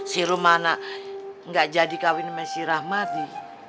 si rumana nggak jadi kawin sama si rahmadi